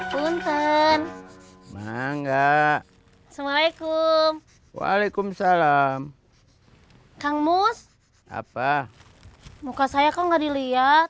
punten bangga assalamualaikum waalaikumsalam kang mus apa muka saya kau nggak dilihat